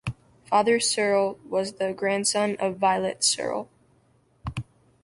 Father Searle was the grandson of Violet Searle.